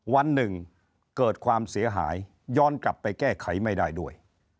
วันหนึ่งเกิดความเสียหายย้อนกลับไปแก้ไขไม่ได้ด้วย